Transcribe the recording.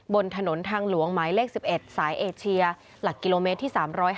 บนถนนทางหลวงหมายเลข๑๑สายเอเชียหลักกิโลเมตรที่๓๕